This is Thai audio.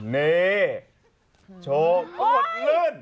นี่โชว์อดลื่น